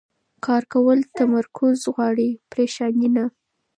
کار کول تمرکز غواړي، پریشاني نه.